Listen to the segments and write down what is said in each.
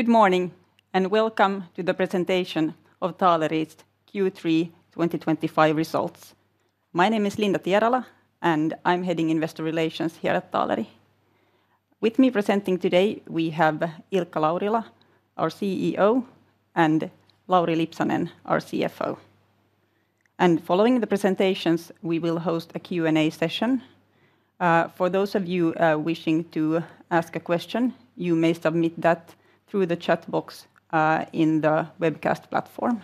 Good morning and welcome to the presentation of Taaleri's Q3 2025 results. My name is Linda Tierala and I'm heading Investor Relations here at Taaleri. With me presenting today, we have Ilkka Laurila, our CEO, and Lauri Lipsanen, our CFO. Following the presentations, we will host a Q&A session. For those of you wishing to ask a question, you may submit that through the chat box in the webcast platform.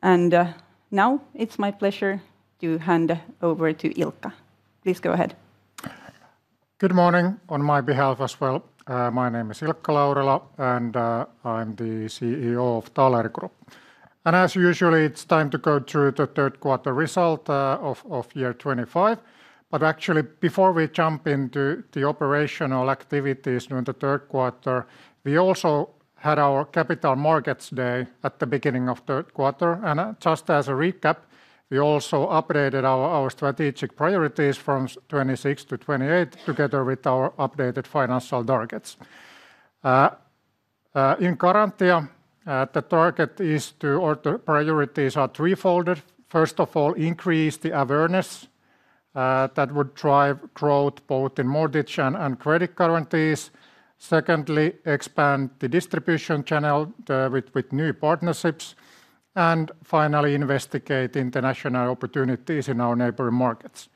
Now it's my pleasure to hand over to Ilkka. Please go ahead. Good morning on my behalf as well. My name is Ilkka Laurila and I'm the CEO of Taaleri Group. As usual, it's time to go through the third quarter result of year 2025. Actually, before we jump into the operational activities during the third quarter, we also had our Capital Markets Day at the beginning of the third quarter. Just as a recap, we also updated our strategic priorities from 2026 to 2028, together with our updated financial targets. In the current year, the target is to order priorities three-fold. First of all, increase the awareness that would drive growth both in mortgage and credit guarantees. Secondly, expand the distribution channel with new partnerships. Finally, investigate international opportunities in our neighboring markets.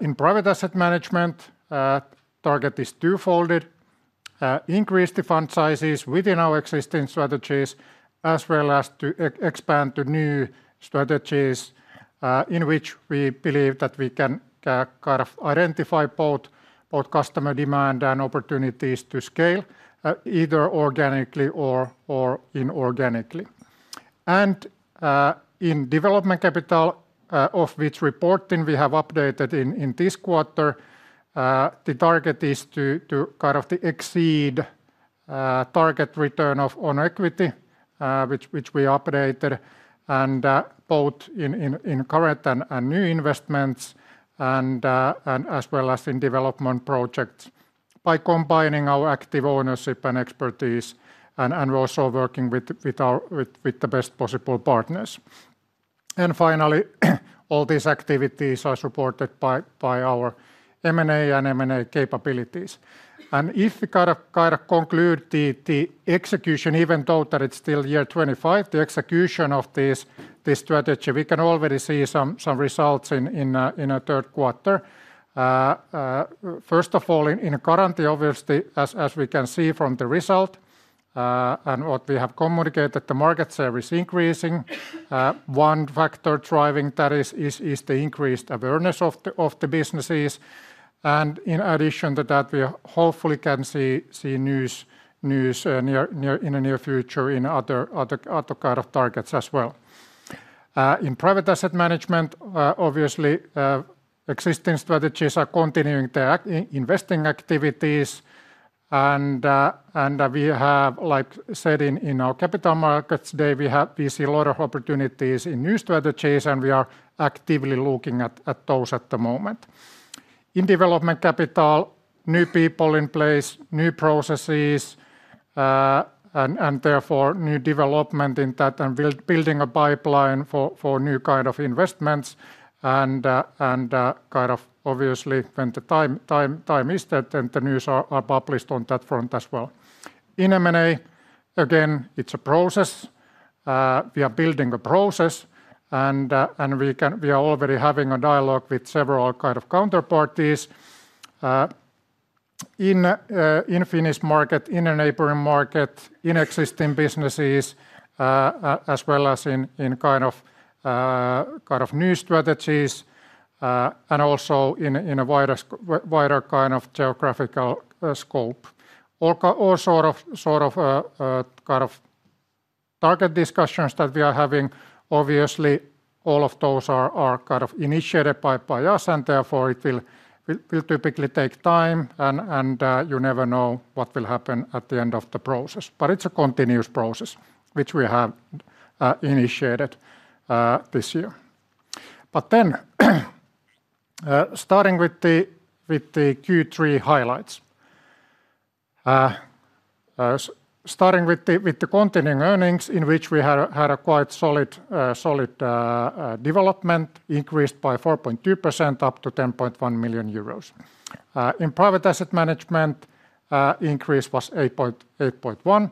In private asset management, the target is two-fold: increase the fund sizes within our existing strategies, as well as to expand to new strategies in which we believe that we can kind of identify both customer demand and opportunities to scale either organically or inorganically. In development capital, of which reporting we have updated in this quarter, the target is to kind of exceed the target return on equity, which we updated both in current and new investments, and as well as in development projects, by combining our active ownership and expertise and also working with the best possible partners. All these activities are supported by our M&A and M&A capabilities. If we kind of conclude the execution, even though it's still year 2025, the execution of this strategy, we can already see some results in the third quarter. First of all, in current, obviously, as we can see from the result and what we have communicated, the market share is increasing. One factor driving that is the increased awareness of the businesses. In addition to that, we hopefully can see news in the near future in other kinds of targets as well. In private asset management, obviously, existing strategies are continuing their investing activities. We have, like said in our Capital Markets Day, we see a lot of opportunities in new strategies and we are actively looking at those at the moment. In development capital, new people in place, new processes, and therefore new development in that and building a pipeline for new kind of investments. Obviously, when the time is set, the news are published on that front as well. In M&A again, it's a process. We are building a process and we are already having a dialogue with several kind of counterparties. In the Finnish market, in the neighboring market, in existing businesses, as well as in kind of new strategies and also in a wider kind of geographical scope. All sort of kind of target discussions that we are having, obviously, all of those are kind of initiated by us and therefore it will typically take time and you never know what will happen at the end of the process. It's a continuous process which we have initiated this year. Starting with the Q3 highlights, starting with the continuing earnings, in which we had a quite solid development, increased by 4.2% up to 10.1 million euros. In private asset management, the increase was 8.1%.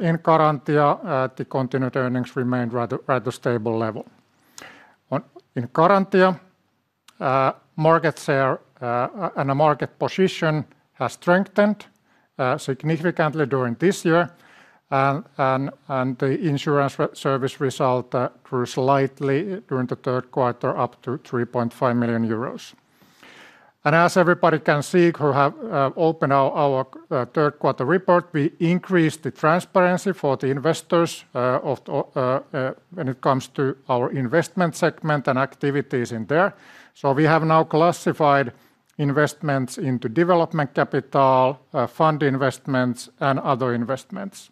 In current year, the continued earnings remained at a rather stable level. In current year, market share and the market position have strengthened significantly during this year. The insurance service result grew slightly during the third quarter up to 3.5 million euros. As everybody can see, who have opened our third quarter report, we increased the transparency for the investors when it comes to our investment segment and activities in there. We have now classified investments into development capital, fund investments, and other investments.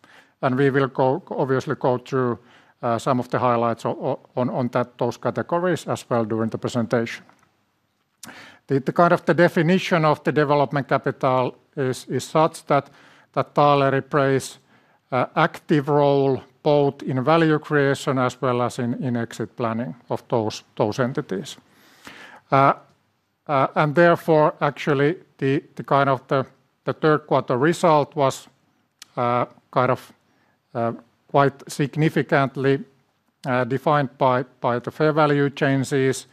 We will obviously go through some of the highlights on those categories as well during the presentation. The kind of definition of the development capital is such that Taaleri plays an active role both in value creation as well as in exit planning of those entities. The kind of third quarter result was quite significantly defined by the fair value changes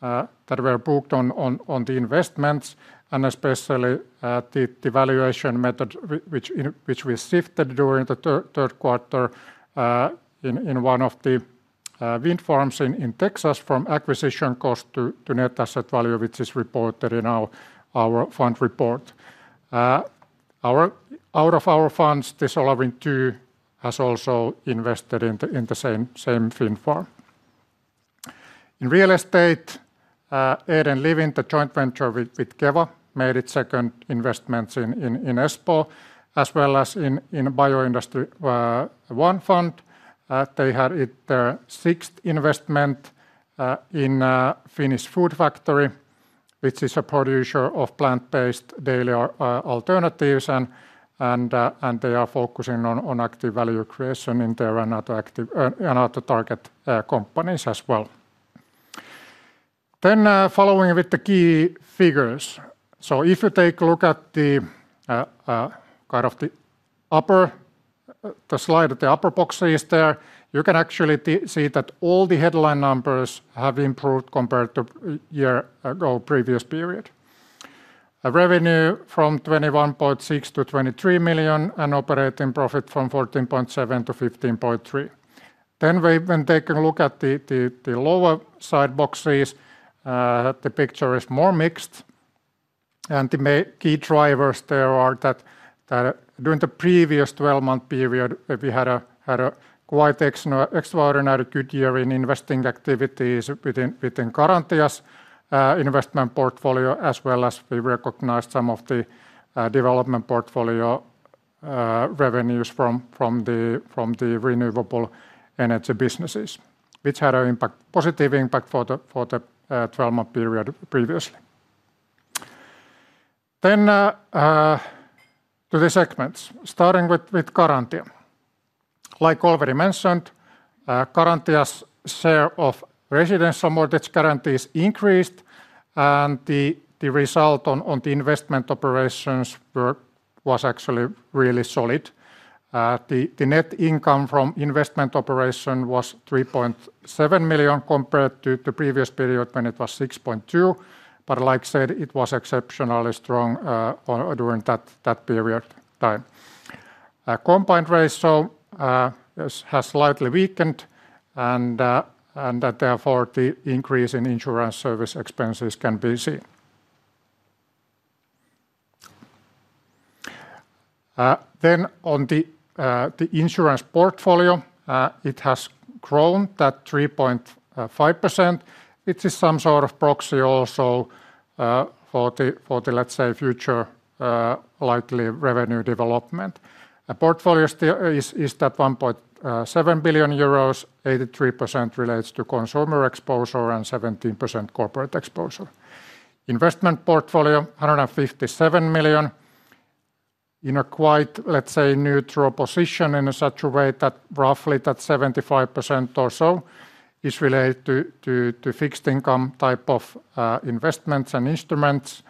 that were booked on the investments and especially the valuation method, which we shifted during the third quarter in one of the wind farms in Texas from acquisition cost to net asset value, which is reported in our fund report. Out of our funds, Tesla Wind d.o.o. has also invested in the same wind farm. In real estate, Eden Living, the joint venture with Keva, made its second investments in Espoo, as well as in the Bioindustry I fund. They had their sixth investment in Finnish Food Factory, which is a producer of plant-based daily alternatives, and they are focusing on active value creation in their NATO target companies as well. Following with the key figures. If you take a look at the upper slide, the upper boxes there, you can actually see that all the headline numbers have improved compared to a year ago previous period. Revenue from 21.6 million to 23 million and operating profit from 14.7 million to 15.3 million. When taking a look at the lower side boxes, the picture is more mixed. The key drivers there are that during the previous 12-month period, we had a quite extraordinary good year in investing activities within Garantia's investment portfolio, as well as we recognized some of the development portfolio revenues from the renewable energy businesses, which had a positive impact for the 12-month period previously. To the segments, starting with current year. Like already mentioned, Garantia's share of residential mortgage guarantees increased and the result on the investment operations was actually really solid. The net income from investment operations was 3.7 million compared to the previous period when it was 6.2 million. Like I said, it was exceptionally strong during that period of time. Combined ratio has slightly weakened and therefore the increase in insurance service expenses can be seen. On the insurance portfolio, it has grown that 3.5%, which is some sort of proxy also for the, let's say, future likely revenue development. Portfolio is at 1.7 billion euros, 83% relates to consumer exposure and 17% corporate exposure. Investment portfolio, 157 million. In a quite, let's say, neutral position in such a way that roughly 75% or so is related to fixed income type of investments and instruments.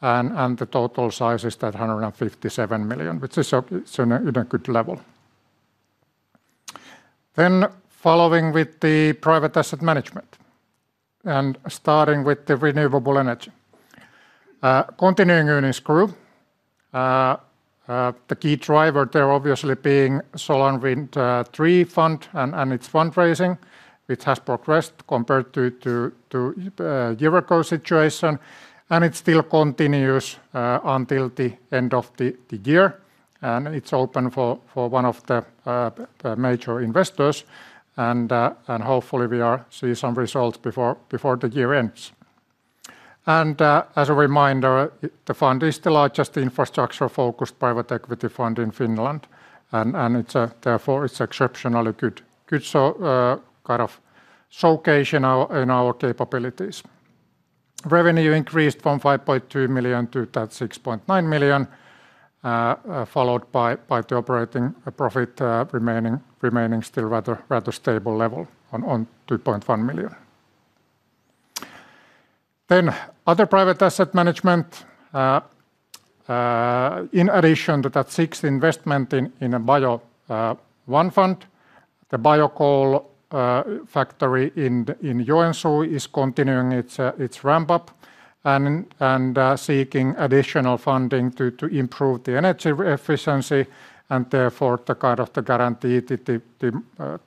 The total size is 157 million, which is at a good level. Following with the private asset management and starting with the renewable energy. Continuing earnings grew. The key driver there obviously being SolarWind III Fund and its fundraising, which has progressed compared to a year ago situation. It still continues until the end of the year. It's open for one of the major investors. Hopefully we see some results before the year ends. As a reminder, the fund is the largest infrastructure-focused private equity fund in Finland. Therefore it's exceptionally good, kind of a showcase in our capabilities. Revenue increased from 5.2 million to 6.9 million, followed by the operating profit remaining still at a rather stable level on 2.1 million. Then other private asset management. In addition to that sixth investment in the Bio I fund, the Biocoal factory in Joensuu is continuing its ramp-up and seeking additional funding to improve the energy efficiency and therefore the kind of guaranteed the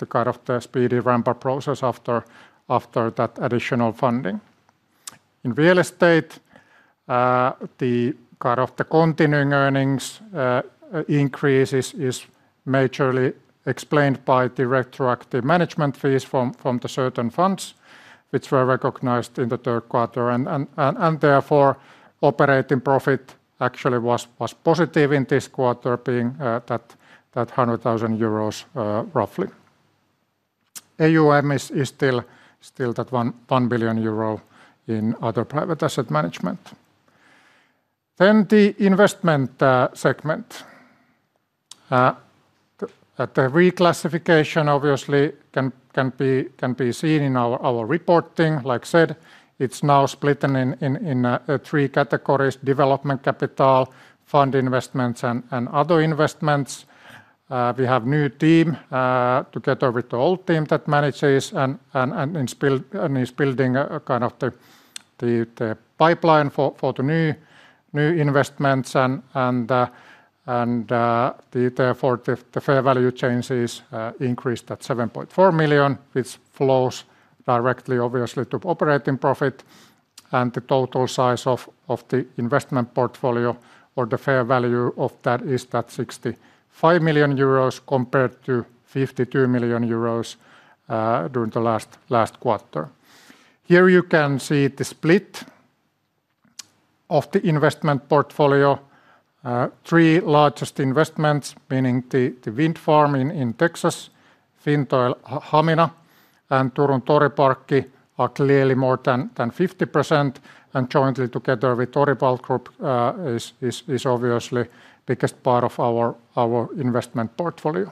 kind of the speedy ramp-up process after that additional funding. In real estate, the kind of the continuing earnings increase is majorly explained by the retroactive management fees from the certain funds, which were recognized in the third quarter. Therefore, operating profit actually was positive in this quarter, being that 100,000 euros roughly. AUM is still that 1 billion euro in other private asset management. The investment segment, the reclassification obviously can be seen in our reporting. Like I said, it's now split in three categories: development capital, fund investments, and other investments. We have a new team together with the old team that manages and is building kind of the pipeline for the new investments. Therefore, the fair value changes increased at 7.4 million, which flows directly obviously to operating profit. The total size of the investment portfolio or the fair value of that is that 65 million euros compared to 52 million euros during the last quarter. Here you can see the split of the investment portfolio. Three largest investments, meaning the wind farm in Texas, Fintoil Hamina, and Turun Toriparkki are clearly more than 50%. Jointly together with Toriparkki Group is obviously the biggest part of our investment portfolio.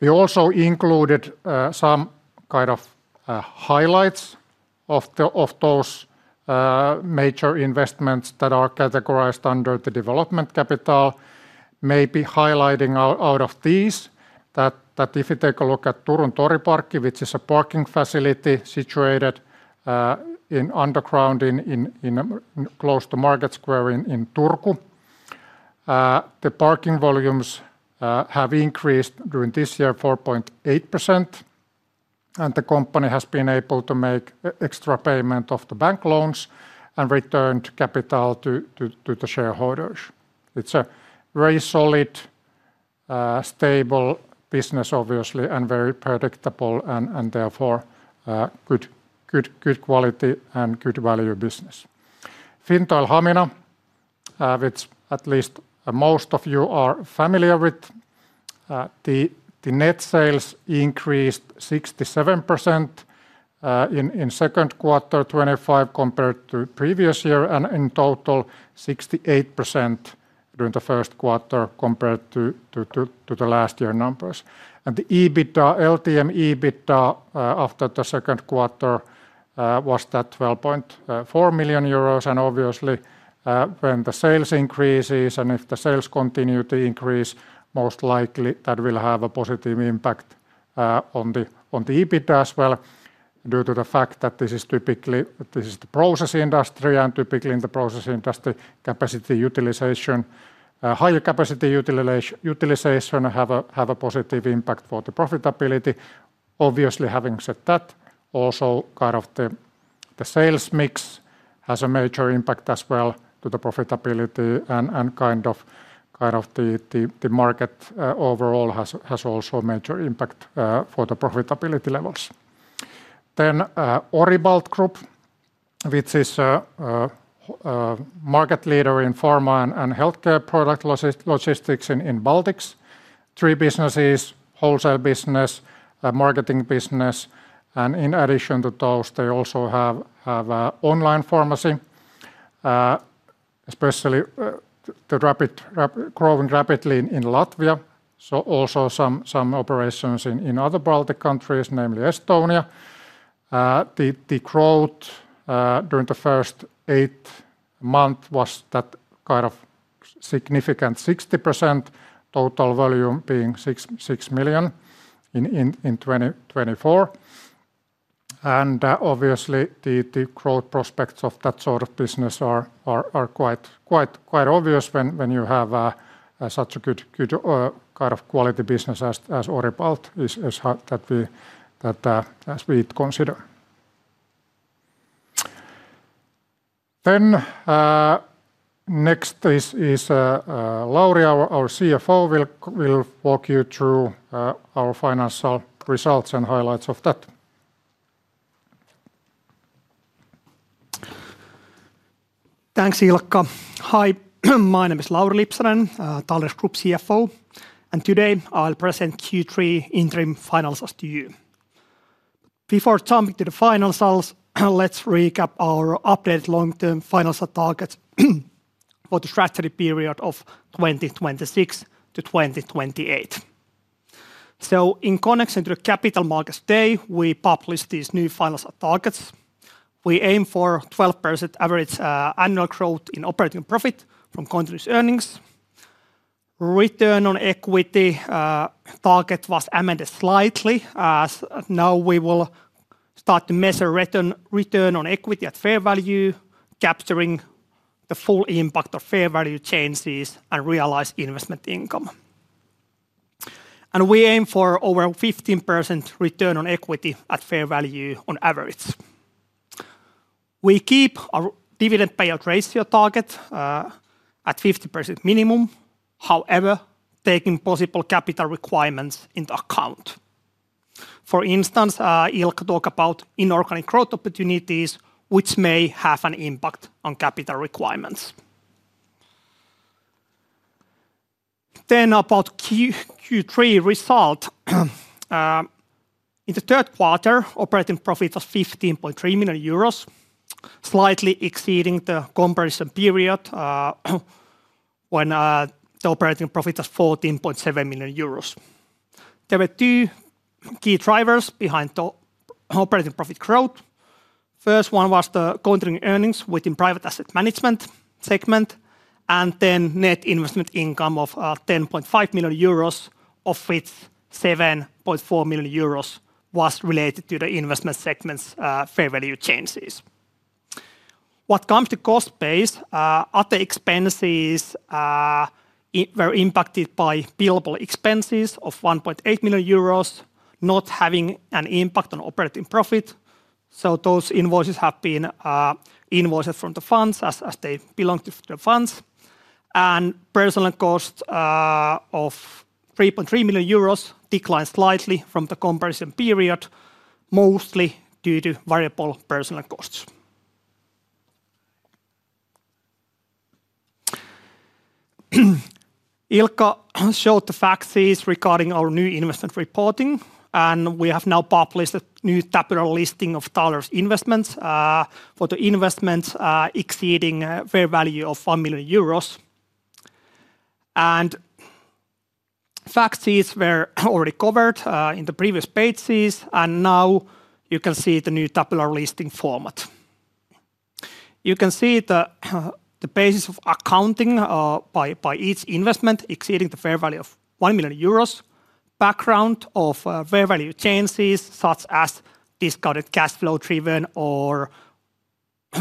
We also included some kind of highlights of those major investments that are categorized under the development capital. Maybe highlighting out of these that if you take a look at Turun Toriparkki, which is a parking facility situated in underground close to Market Square in Turku, the parking volumes have increased during this year 4.8%. The company has been able to make extra payment of the bank loans and returned capital to the shareholders. It's a very solid, stable business obviously and very predictable and therefore good quality and good value business. Fintoil Hamina, which at least most of you are familiar with, the net sales increased 67% in second quarter 2025 compared to previous year and in total 68% during the first quarter compared to the last year numbers. The LTM EBITDA after the second quarter was that 12.4 million euros. Obviously, when the sales increases and if the sales continue to increase, most likely that will have a positive impact on the EBITDA as well due to the fact that this is typically the process industry, and typically in the process industry, higher capacity utilization has a positive impact for the profitability. Obviously, having said that, also kind of the sales mix has a major impact as well to the profitability, and kind of the market overall has also a major impact for the profitability levels. Oribalt Group, which is a market leader in pharma and healthcare product logistics in Baltics, has three businesses: wholesale business, marketing business, and in addition to those, they also have an online pharmacy, especially growing rapidly in Latvia. There are also some operations in other Baltic countries, namely Estonia. The growth during the first eight months was that kind of significant, 60% total volume being 6 million in 2024. Obviously, the growth prospects of that sort of business are quite obvious when you have such a good kind of quality business as Oribalt that we consider. Next, Lauri, our CFO, will walk you through our financial results and highlights of that. Thanks, Ilkka. Hi, my name is Lauri Lipsanen, Taaleri Group CFO. Today I'll present Q3 interim financials to you. Before jumping to the financials, let's recap our updated long-term financial targets for the strategy period of 2026-2028. In connection to the Capital Markets Day, we published these new financial targets. We aim for 12% average annual growth in operating profit from continuous earnings. Return on equity target was amended slightly. Now we will start to measure return on equity at fair value, capturing the full impact of fair value changes and realized investment income. We aim for over 15% return on equity at fair value on average. We keep our dividend payout ratio target at 50% minimum, however, taking possible capital requirements into account. For instance, Ilkka talked about inorganic growth opportunities, which may have an impact on capital requirements. About Q3 result, in the third quarter, operating profit was 15.3 million euros, slightly exceeding the comparison period when the operating profit was 14.7 million euros. There were two key drivers behind the operating profit growth. The first one was the continuing earnings within the private asset management segment, and then net investment income of 10.5 million euros, of which 7.4 million euros was related to the investment segment's fair value changes. Regarding the cost base, other expenses were impacted by billable expenses of 1.8 million euros, not having an impact on operating profit. Those invoices have been invoices from the funds as they belong to the funds. Personal cost of 3.3 million euros declined slightly from the comparison period, mostly due to variable personal costs. Ilkka showed the facts regarding our new investment reporting, and we have now published a new tabular listing of Taaleri's investments for the investments exceeding a fair value of 1 million euros. Facts were already covered in the previous pages, and now you can see the new tabular listing format. You can see the basis of accounting by each investment exceeding the fair value of 1 million euros, background of fair value changes such as discounted cash flow driven or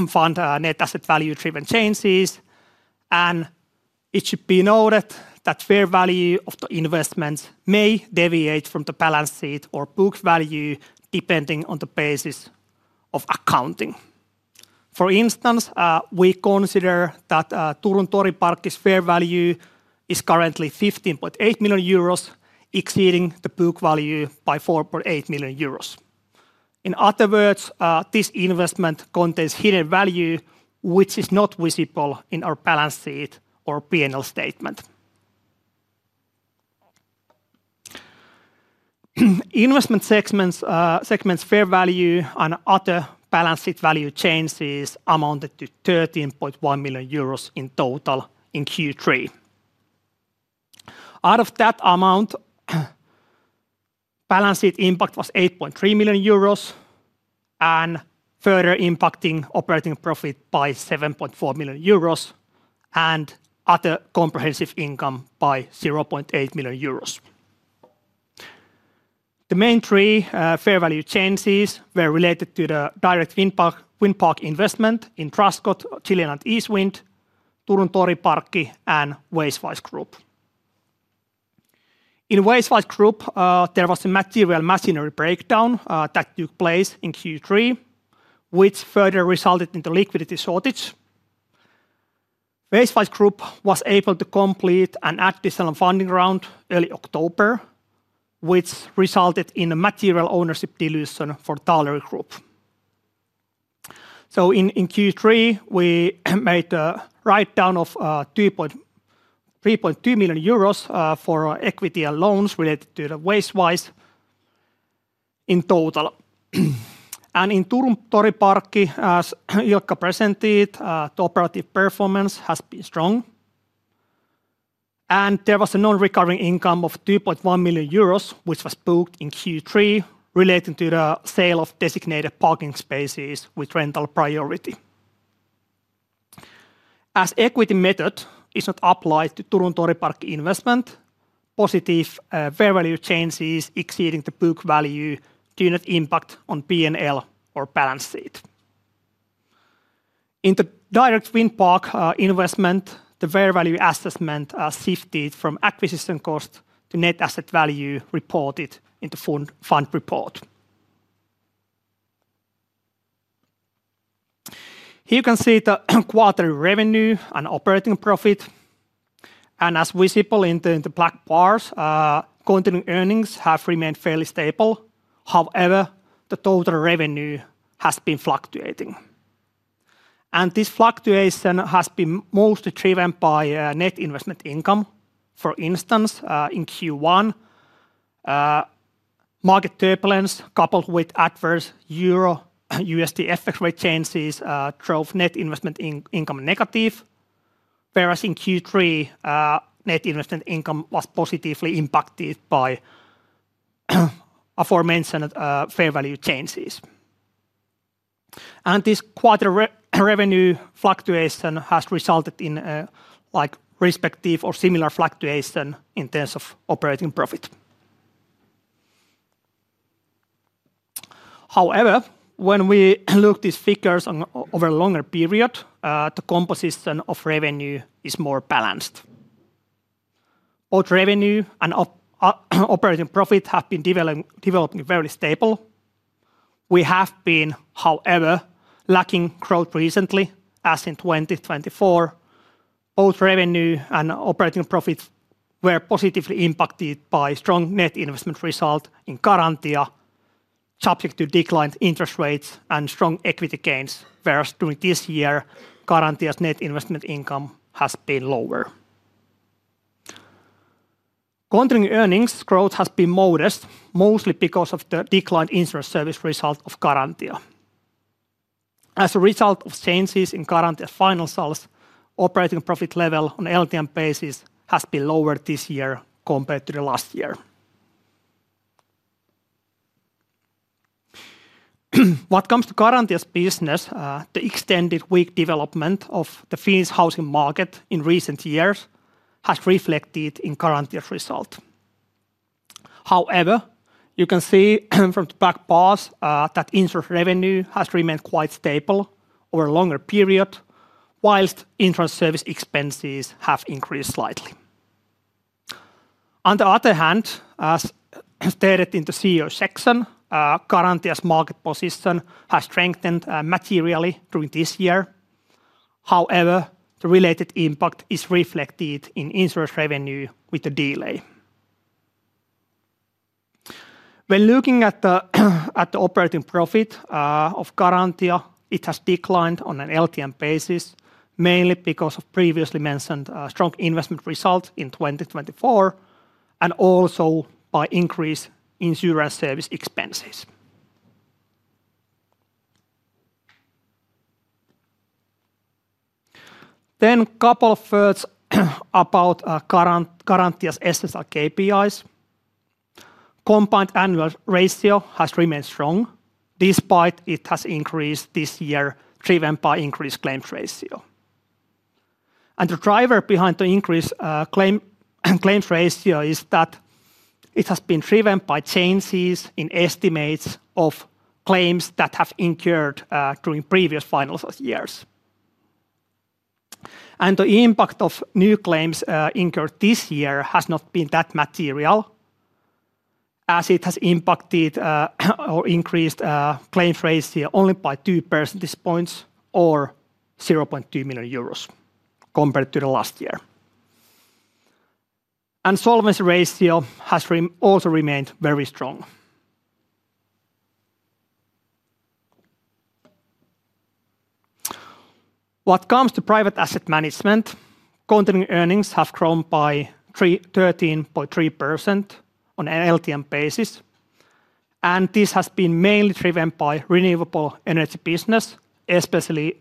fund net asset value driven changes. It should be noted that fair value of the investments may deviate from the balance sheet or book value depending on the basis of accounting. For instance, we consider that Turun Toriparkki's fair value is currently 15.8 million euros, exceeding the book value by 4.8 million euros. In other words, this investment contains hidden value, which is not visible in our balance sheet or P&L statement. Investment segment's fair value and other balance sheet value changes amounted to 13.1 million euros in total in Q3. Out of that amount, balance sheet impact was 8.3 million euros and further impacting operating profit by 7.4 million euros and other comprehensive income by 0.8 million euros. The main three fair value changes were related to the direct wind park investment in Truscott-Gilliland East Wind, Turun Toriparkki, and Wastewise Group. In Wastewise Group, there was a material machinery breakdown that took place in Q3, which further resulted in the liquidity shortage. Wastewise Group was able to complete an additional funding round early October, which resulted in a material ownership dilution for Taaleri Group. In Q3, we made a write-down of 3.2 million euros for equity and loans related to the Wastewise in total. In Turun Toriparkki, as Ilkka presented, the operative performance has been strong. There was a non-recurring income of 2.1 million euros, which was booked in Q3, relating to the sale of designated parking spaces with rental priority. As equity method is not applied to Turun Toriparkki investment, positive fair value changes exceeding the book value do not impact on P&L or balance sheet. In the direct wind park investment, the fair value assessment shifted from acquisition cost to net asset value reported in the fund report. Here you can see the quarterly revenue and operating profit. As visible in the black bars, continuing earnings have remained fairly stable. However, the total revenue has been fluctuating. This fluctuation has been mostly driven by net investment income. For instance, in Q1, market turbulence coupled with adverse EUR/USD effects rate changes drove net investment income negative, whereas in Q3, net investment income was positively impacted by aforementioned fair value changes. This quarter revenue fluctuation has resulted in a respective or similar fluctuation in terms of operating profit. However, when we look at these figures over a longer period, the composition of revenue is more balanced. Both revenue and operating profit have been developed very stable. We have been, however, lacking growth recently, as in 2024, both revenue and operating profit were positively impacted by strong net investment result in Garantia subject to declined interest rates and strong equity gains, whereas during this year, Garantia's net investment income has been lower. Continuing earnings growth has been modest, mostly because of the declined interest service result of Garantia. As a result of changes in Garantia's financials, operating profit level on an LTM basis has been lower this year compared to the last year. What comes to Garantia's business, the extended weak development of the Finnish housing market in recent years has reflected in Garantia's result. However, you can see from the back bars that interest revenue has remained quite stable over a longer period, whilst interest service expenses have increased slightly. On the other hand, as stated in the CEO section, Garantia's market position has strengthened materially during this year. However, the related impact is reflected in interest revenue with a delay. When looking at the operating profit of Garantia, it has declined on an LTM basis, mainly because of previously mentioned strong investment result in 2024 and also by increased insurance service expenses. A couple of words about Garantia's SSL KPIs. Combined annual ratio has remained strong, despite it has increased this year, driven by increased claims ratio. The driver behind the increased claims ratio is that it has been driven by changes in estimates of claims that have incurred during previous financial years. The impact of new claims incurred this year has not been that material, as it has impacted or increased claims ratio only by 2 percentage points or 0.2 million euros compared to the last year. Solvency ratio has also remained very strong. What comes to private asset management, continuing earnings have grown by 13.3% on an LTM basis. This has been mainly driven by renewable energy business, especially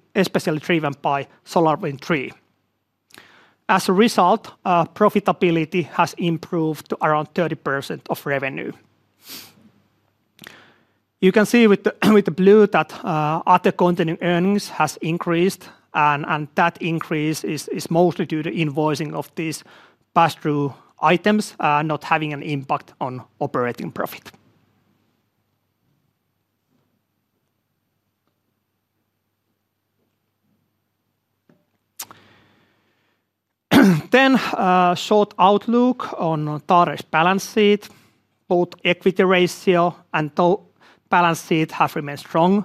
driven by SolarWind III. As a result, profitability has improved to around 30% of revenue. You can see with the blue that other continuing earnings have increased, and that increase is mostly due to invoicing of these pass-through items not having an impact on operating profit. A short outlook on Taaleri's balance sheet. Both equity ratio and balance sheet have remained strong.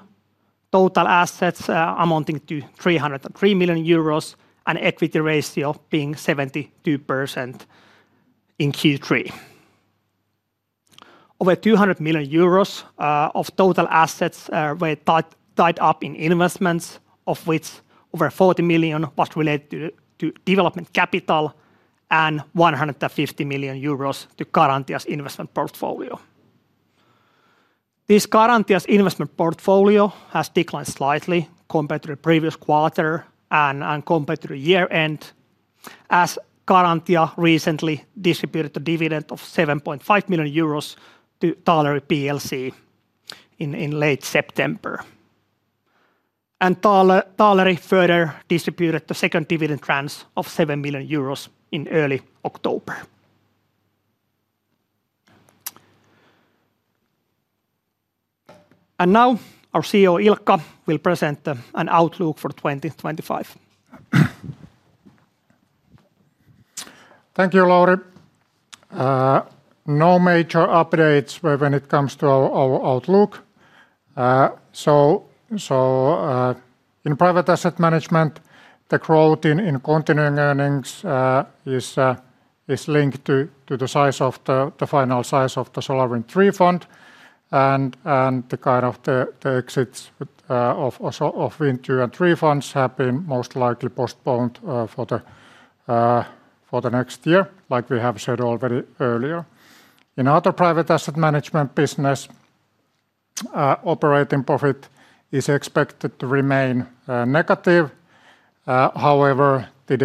Total assets amounting to 303 million euros and equity ratio being 72% in Q3. Over 200 million euros of total assets were tied up in investments, of which over 40 million was related to development capital and 150 million euros to Garantia's investment portfolio. Garantia's investment portfolio has declined slightly compared to the previous quarter and compared to the year-end, as Garantia recently distributed a dividend of 7.5 million euros to Taaleri Plc in late September. Taaleri further distributed the second dividend transfer of 7 million euros in early October. Now our CEO, Ilkka, will present an outlook for 2025. Thank you, Lauri. No major updates when it comes to our outlook. In private asset management, the growth in continuing earnings is linked to the size of the final size of the SolarWind III Fund. The kind of the exits of Wind II and Wind III Funds have been most likely postponed for the next year, like we have said already earlier. In other private asset management business, operating profit is expected to remain negative. However, the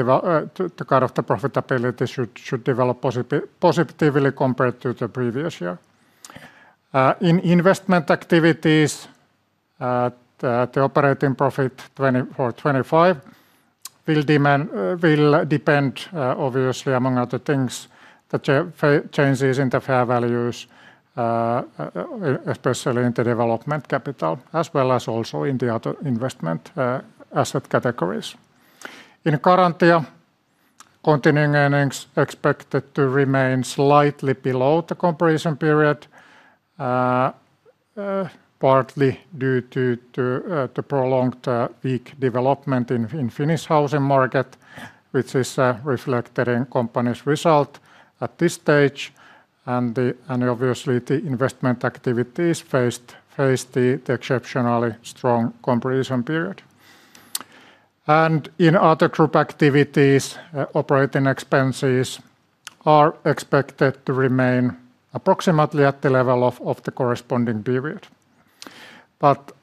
kind of the profitability should develop positively compared to the previous year. In investment activities, the operating profit for 2025 will depend obviously among other things, the changes in the fair values, especially in the development capital, as well as also in the other investment asset categories. In Garantia, continuing earnings expected to remain slightly below the comparison period, partly due to the prolonged weak development in the Finnish housing market, which is reflected in the company's result at this stage. Obviously, the investment activities faced the exceptionally strong comparison period. In other group activities, operating expenses are expected to remain approximately at the level of the corresponding period.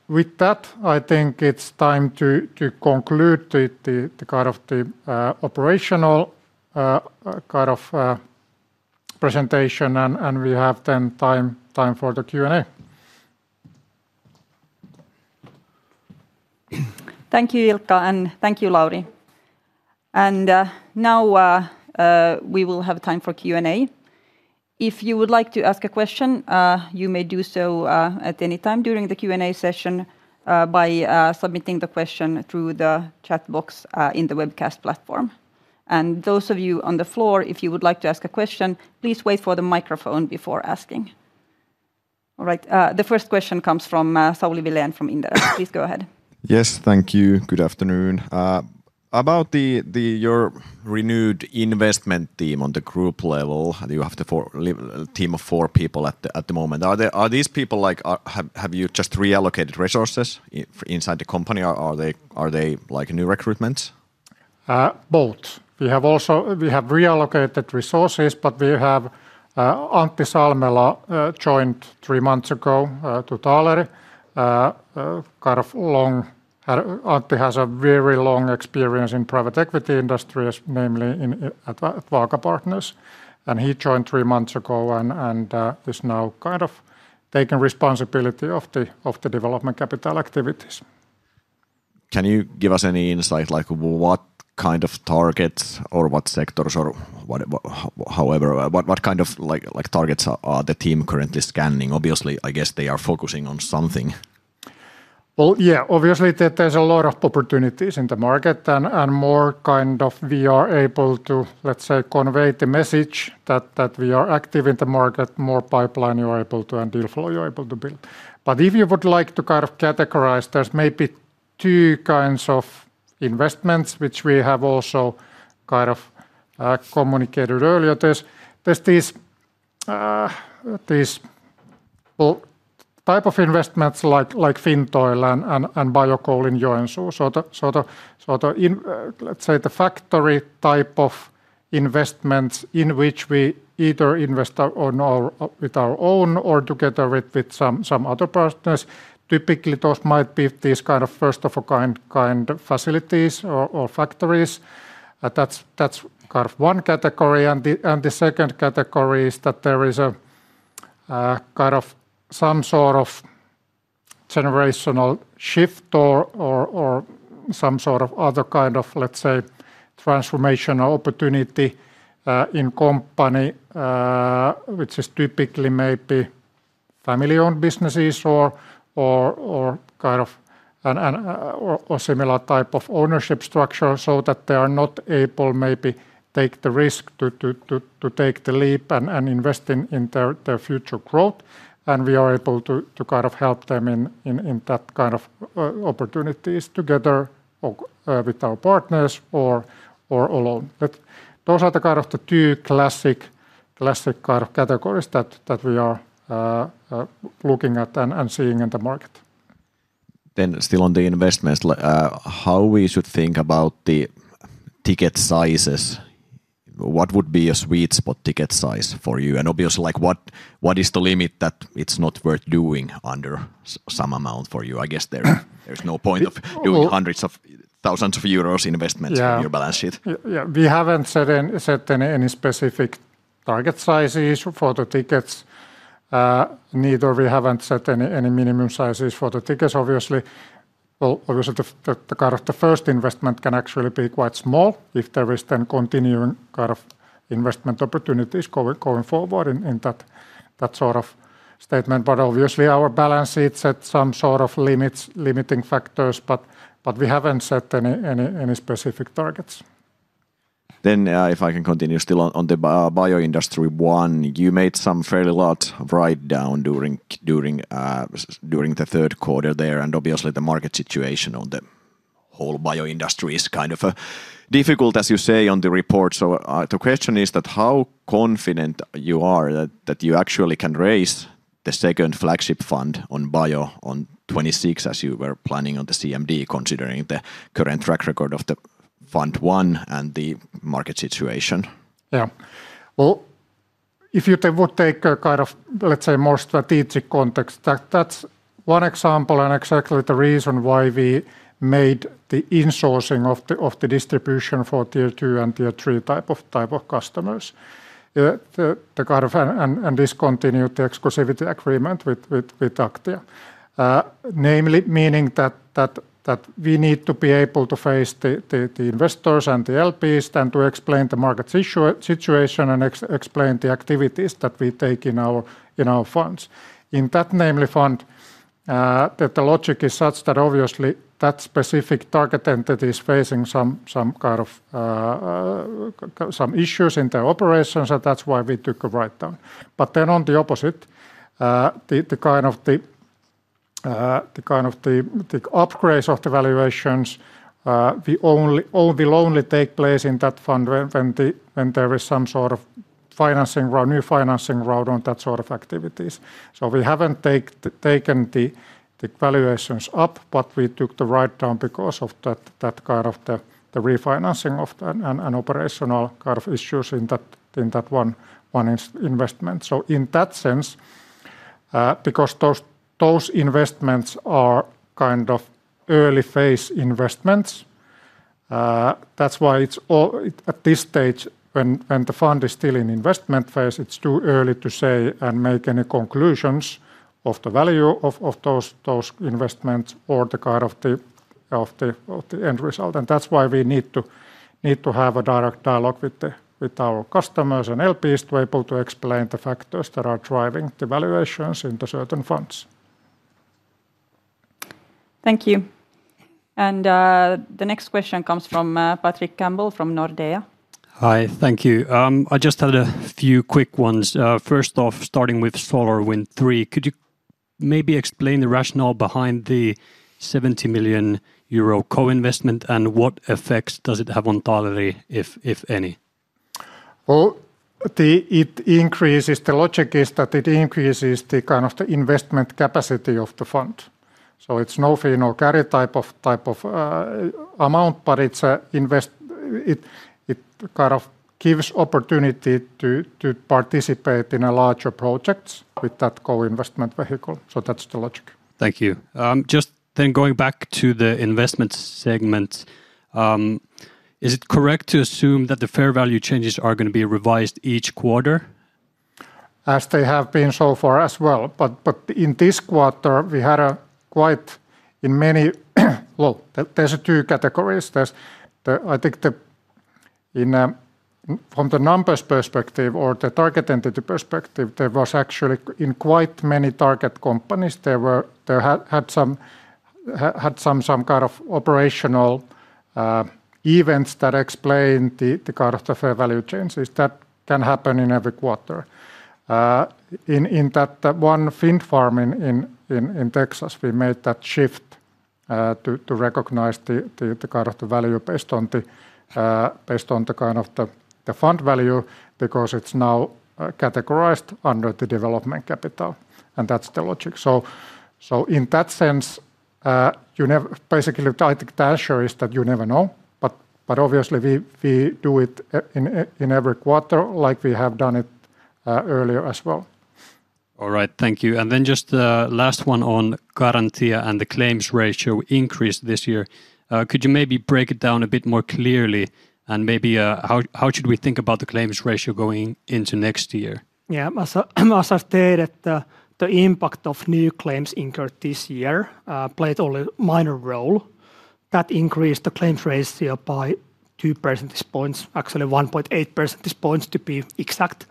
With that, I think it's time to conclude the kind of the operational kind of presentation, and we have then time for the Q&A. Thank you, Ilkka, and thank you, Lauri. Now we will have time for Q&A. If you would like to ask a question, you may do so at any time during the Q&A session by submitting the question through the chat box in the webcast platform. Those of you on the floor, if you would like to ask a question, please wait for the microphone before asking. All right, the first question comes from Sauli Vilén from Inderes. Please go ahead. Yes, thank you. Good afternoon. About your renewed investment team on the group level, you have the team of four people at the moment. Are these people, like, have you just reallocated resources inside the company? Are they new recruitments? Both. We have reallocated resources, but we have Antti Salmela joined three months ago to Taaleri. Antti has a very long experience in the private equity industry, namely at Vaaka Partners. He joined three months ago and is now kind of taking responsibility of the development capital activities. Can you give us any insight, like what kind of targets or what sectors or however, what kind of targets are the team currently scanning? Obviously, I guess they are focusing on something. Obviously there's a lot of opportunities in the market, and the more we are able to, let's say, convey the message that we are active in the market, the more pipeline and deal flow you're able to build. If you would like to categorize, there's maybe two kinds of investments which we have also communicated earlier. There's these types of investments like Fintoil and Biocoal in Joensuu, the factory type of investments in which we either invest with our own or together with some other partners. Typically, those might be these kind of first-of-a-kind facilities or factories. That's one category. The second category is that there is some sort of generational shift or some sort of other transformational opportunity in a company, which is typically maybe family-owned businesses or a similar type of ownership structure so that they are not able to maybe take the risk to take the leap and invest in their future growth. We are able to help them in that kind of opportunities together with our partners or alone. Those are the two classic categories that we are looking at and seeing in the market. On the investments, how should we think about the ticket sizes? What would be a sweet spot ticket size for you? Obviously, what is the limit that it's not worth doing under some amount for you? I guess there's no point of doing hundreds of thousands of euros investments on your balance sheet. Yeah, we haven't set any specific target sizes for the tickets. Neither have we set any minimum sizes for the tickets, obviously. The kind of the first investment can actually be quite small if there is then continuing kind of investment opportunities going forward in that sort of statement. Obviously, our balance sheet sets some sort of limiting factors, but we haven't set any specific targets. If I can continue still on the Bioindustry I, you made some fairly large write-downs during the third quarter there. Obviously, the market situation on the whole bioindustry is kind of difficult, as you say in the report. The question is how confident you are that you actually can raise the second flagship fund on Bio in 2026 as you were planning on the CMD, considering the current track record of fund I and the market situation? If you would take kind of, let's say, more strategic context, that's one example and exactly the reason why we made the insourcing of the distribution for tier two and tier three type of customers. The kind of and discontinued the exclusivity agreement with Aktia, namely meaning that we need to be able to face the investors and the LPs and to explain the market situation and explain the activities that we take in our funds. In that namely fund, the logic is such that obviously that specific target entity is facing some kind of some issues in their operations and that's why we took a write-down. On the opposite, the upgrades of the valuations only take place in that fund when there is some sort of new financing route on that sort of activities. We haven't taken the valuations up, but we took the write-down because of that kind of the refinancing of the operational kind of issues in that one investment. In that sense, because those investments are kind of early phase investments, that's why at this stage when the fund is still in investment phase, it's too early to say and make any conclusions of the value of those investments or the kind of the end result. That's why we need to have a direct dialogue with our customers and LPs to be able to explain the factors that are driving the valuations in the certain funds. Thank you. The next question comes from Patrick Campbell from Nordea. Hi, thank you. I just had a few quick ones. First off, starting with SolarWind III, could you maybe explain the rationale behind the 70 million euro co-investment and what effects does it have on Taaleri, if any? The logic is that it increases the kind of the investment capacity of the fund. It's no fee, no carry type of amount, but it kind of gives opportunity to participate in a larger project with that co-investment vehicle. That's the logic. Thank you. Just going back to the investment segment, is it correct to assume that the fair value changes are going to be revised each quarter? As they have been so far as well. In this quarter, we had a quite, in many, there are two categories. I think from the numbers perspective or the target entity perspective, there was actually in quite many target companies, they had some kind of operational events that explain the kind of the fair value changes that can happen in every quarter. In that one wind farm in Texas, we made that shift to recognize the kind of the value based on the kind of the fund value because it's now categorized under the development capital. That's the logic. In that sense, you basically, I think the answer is that you never know. Obviously, we do it in every quarter like we have done it earlier as well. All right, thank you. Just the last one on guarantee and the claims ratio increased this year. Could you maybe break it down a bit more clearly? Maybe how should we think about the claims ratio going into next year? Yeah, as I've said, the impact of new claims incurred this year played only a minor role. That increased the claims ratio by 2 percentage points, actually 1.8 percentage points to be exact.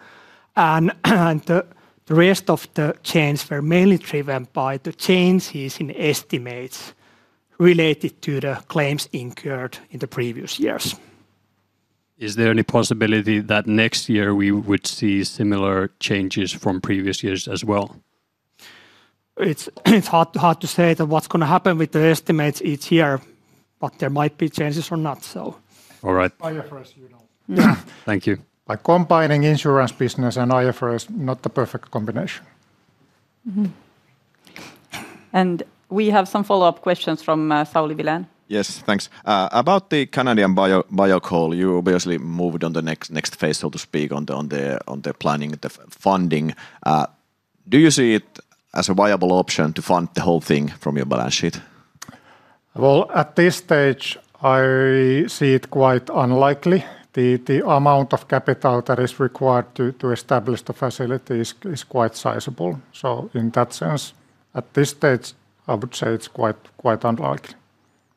The rest of the change were mainly driven by the changes in estimates related to the claims incurred in the previous years. Is there any possibility that next year we would see similar changes from previous years as well? It's hard to say what's going to happen with the estimates each year, but there might be changes or not. All right. IFRS, you know. Thank you. By combining insurance business and IFRS, not the perfect combination. We have some follow-up questions from Sauli Vilén. Yes, thanks. About the Canadian Biocoal, you obviously moved on to the next phase, so to speak, on the planning, the funding. Do you see it as a viable option to fund the whole thing from your balance sheet? At this stage, I see it quite unlikely. The amount of capital that is required to establish the facilities is quite sizable. In that sense, at this stage, I would say it's quite unlikely.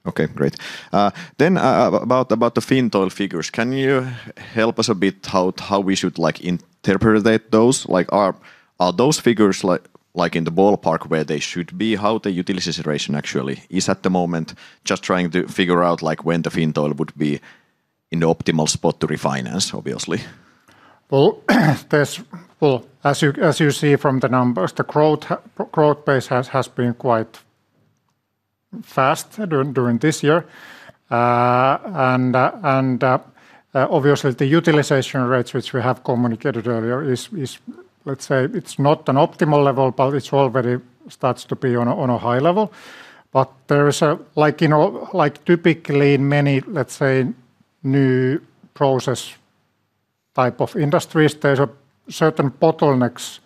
Okay, great. About the Fintoil figures, can you help us a bit how we should interpret those? Are those figures like in the ballpark where they should be? How the utilization actually is at the moment? Just trying to figure out when the Fintoil would be in the optimal spot to refinance, obviously. As you see from the numbers, the growth pace has been quite fast during this year. Obviously, the utilization rates, which we have communicated earlier, are, let's say, not at an optimal level, but already start to be on a high level. There is, like typically in many, let's say, new process type of industries, a certain bottlenecks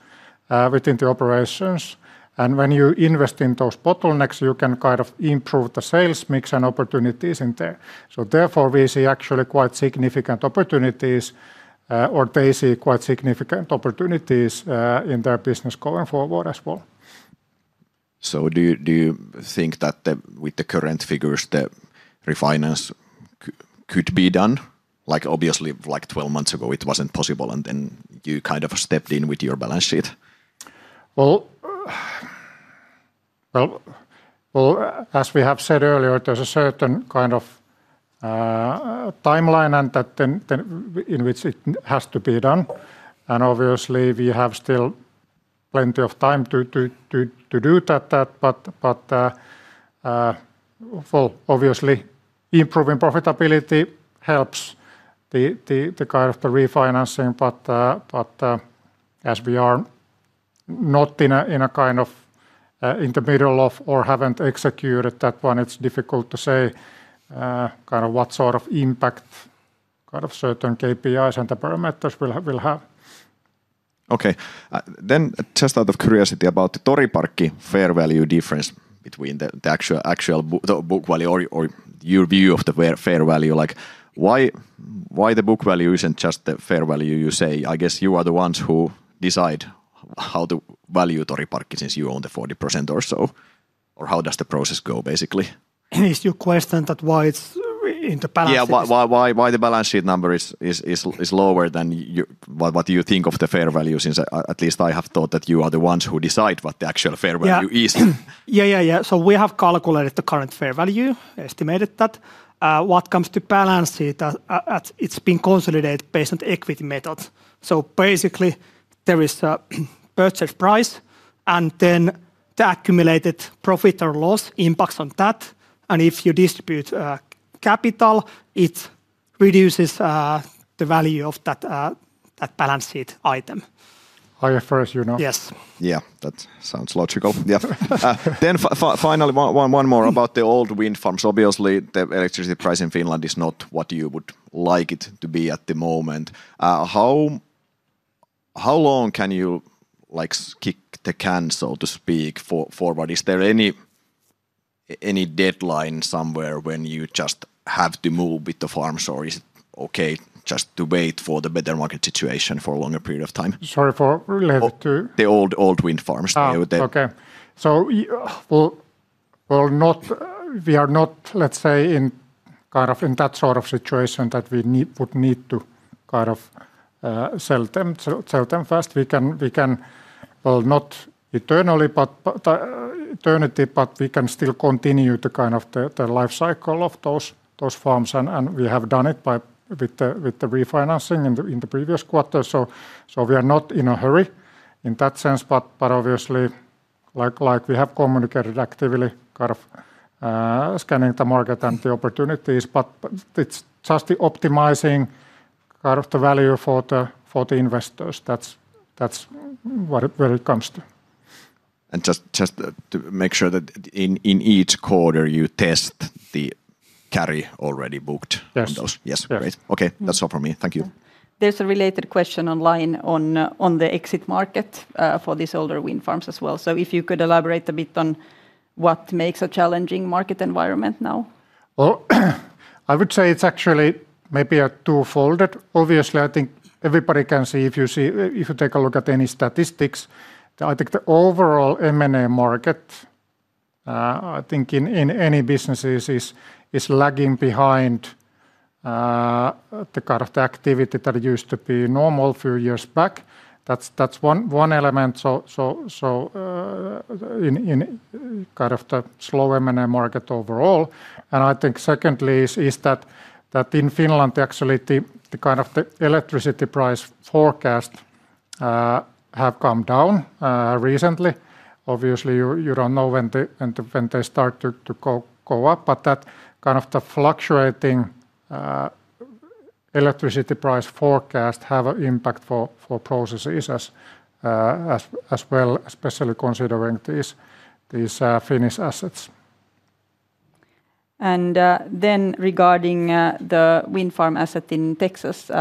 within the operations. When you invest in those bottlenecks, you can kind of improve the sales mix and opportunities in there. Therefore, we see actually quite significant opportunities, or they see quite significant opportunities in their business going forward as well. Do you think that with the current figures, the refinance could be done? Obviously, 12 months ago, it wasn't possible and then you kind of stepped in with your balance sheet? As we have said earlier, there's a certain kind of timeline in which it has to be done. Obviously, we have still plenty of time to do that. Obviously, improving profitability helps the kind of the refinancing. As we are not in the middle of or haven't executed that one, it's difficult to say what sort of impact certain KPIs and the parameters will have. Okay. Just out of curiosity about the Toriparkki fair value difference between the actual book value or your view of the fair value, why isn't the book value just the fair value you say? I guess you are the ones who decide how to value Turun Toriparkki since you own the 40% or so. How does the process go, basically? Is your question that why it's in the balance sheet? Yeah, why the balance sheet number is lower than what you think of the fair value, since at least I have thought that you are the ones who decide what the actual fair value is. Yeah, yeah, yeah. We have calculated the current fair value, estimated that. What comes to balance sheet, it's been consolidated based on the equity methods. Basically, there is a purchase price and then the accumulated profit or loss impacts on that. If you distribute capital, it reduces the value of that balance sheet item. IFRS, you know. Yes. Yeah, that sounds logical. Then finally, one more about the old wind farms. Obviously, the electricity price in Finland is not what you would like it to be at the moment. How long can you kick the can, so to speak, forward? Is there any deadline somewhere when you just have to move with the farms, or is it okay just to wait for the better market situation for a longer period of time? Sorry for related to... The old wind farms. Okay. We are not, let's say, in that sort of situation that we would need to sell them first. We can, not eternity, but we can still continue the life cycle of those farms. We have done it with the refinancing in the previous quarter. We are not in a hurry in that sense. Obviously, like we have communicated actively, we are scanning the market and the opportunities. It's just optimizing the value for the investors. That's where it comes to. To make sure that in each quarter you test the carry already booked on those. Yes. Yes, great. Okay, that's all for me. Thank you. There's a related question online on the exit market for these older wind farms as well. If you could elaborate a bit on what makes a challenging market environment now? I would say it's actually maybe two-folded. Obviously, I think everybody can see if you take a look at any statistics. I think the overall M&A market in any businesses is lagging behind the kind of activity that used to be normal a few years back. That's one element, the slow M&A market overall. Secondly, in Finland, the electricity price forecasts have come down recently. Obviously, you don't know when they start to go up. That kind of fluctuating electricity price forecasts have an impact for processes as well, especially considering these Finnish assets. Regarding the wind farm asset in Texas,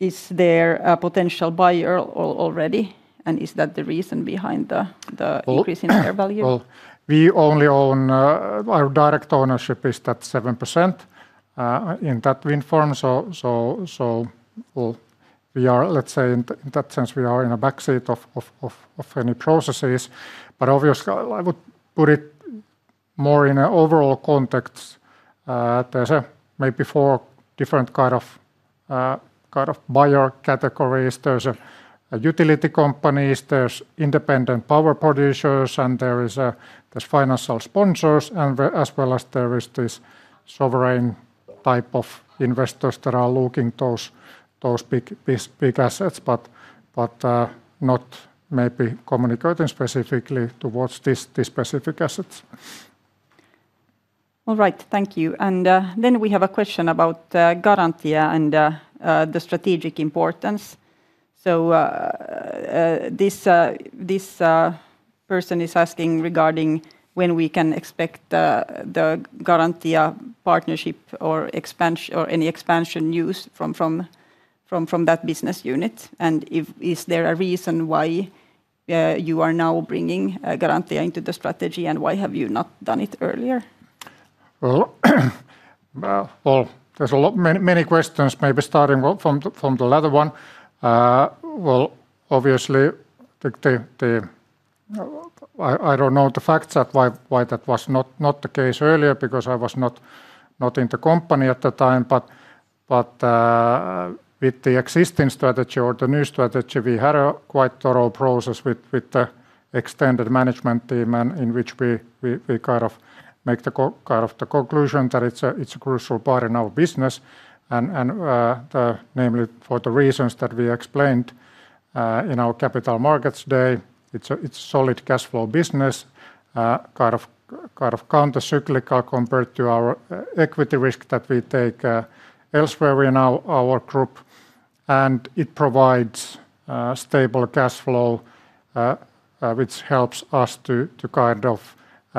is there a potential buyer already? Is that the reason behind the increase in fair value? Our direct ownership is that 7% in that wind farm. In that sense, we are in a backseat of any processes. Obviously, I would put it more in an overall context. There's maybe four different kind of buyer categories. There's utility companies, there's independent power producers, there's financial sponsors, as well as there is this sovereign type of investors that are looking at those big assets, but not maybe communicating specifically towards these specific assets. All right, thank you. We have a question about Garantia and the strategic importance. This person is asking regarding when we can expect the Garantia partnership or any expansion news from that business unit. Is there a reason why you are now bringing Garantia into the strategy and why have you not done it earlier? There are many questions, maybe starting from the latter one. Obviously, I don't know the facts why that was not the case earlier because I was not in the company at the time. With the existing strategy or the new strategy, we had a quite thorough process with the extended management team in which we kind of make the conclusion that it's a crucial part in our business, namely for the reasons that we explained in our Capital Markets Day. It's a solid cash flow business, kind of countercyclical compared to our equity risk that we take elsewhere in our group. It provides stable cash flow, which helps us to kind of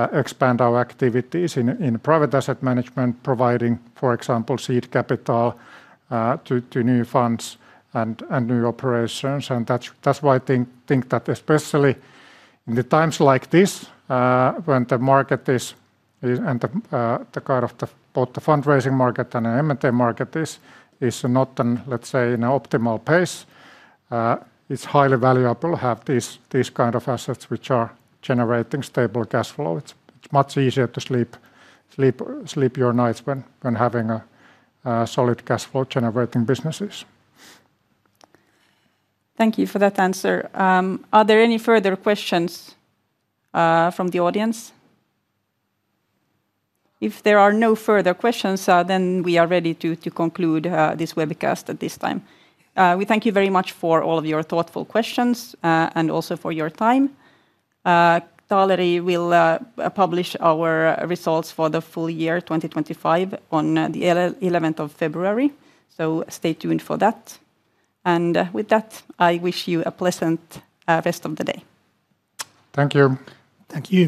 expand our activities in private asset management, providing, for example, seed capital to new funds and new operations. That's why I think that especially in times like this, when the market is, and the kind of both the fundraising market and the M&A market is not, let's say, in an optimal pace, it's highly valuable to have these kind of assets which are generating stable cash flow. It's much easier to sleep your nights when having solid cash flow generating businesses. Thank you for that answer. Are there any further questions from the audience? If there are no further questions, then we are ready to conclude this webcast at this time. We thank you very much for all of your thoughtful questions and also for your time. Taaleri will publish our results for the full year 2025 on 11th of February. Stay tuned for that. I wish you a pleasant rest of the day. Thank you. Thank you.